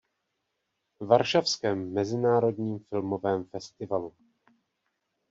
Varšavském mezinárodním filmovém festivalu.